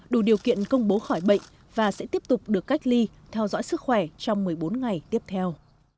đủ điều kiện công bố khỏi bệnh và sẽ tiếp tục được cách ly theo dõi sức khỏe trong một mươi bốn ngày tiếp theo